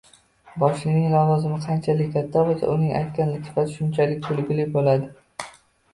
Boshliqning lavozimi qanchalik katta boʻlsa, uning aytgan latifasi shunchalik kulguli boʻladi..